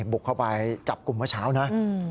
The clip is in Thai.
บุกเข้าไปจับกลุ่มเมื่อเช้านะ